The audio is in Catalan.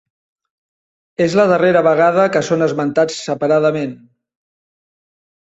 És la darrera vegada que són esmentats separadament.